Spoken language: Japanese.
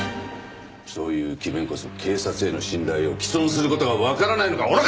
そういう詭弁こそ警察への信頼を毀損する事がわからないのか？